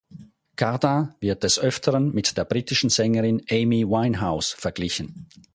Cardin wird des Öfteren mit der britischen Sängerin Amy Winehouse verglichen.